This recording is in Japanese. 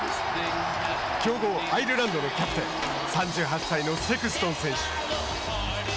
強豪アイルランドのキャプテン３８歳のセクストン選手。